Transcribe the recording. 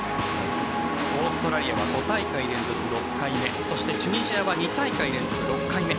オーストラリアは５大会連続６回目そしてチュニジアは２大会連続６回目。